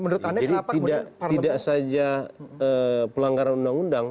jadi tidak saja pelanggaran undang undang